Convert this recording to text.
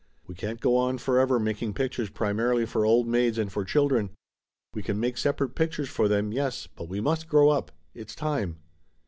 We can't go on forever making pictures pri marily for old maids and for children ! We can make separate pictures for them, yes, but we must grow up. It's time."